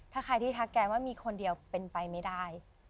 ถ้าใครที่ทักแกว่ามีคนเดียวเป็นไปไม่ได้